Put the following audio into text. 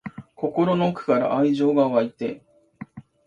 心の奥から愛情が湧いて